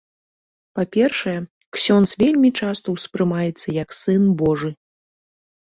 Па-першае, ксёндз вельмі часта ўспрымаецца як сын божы.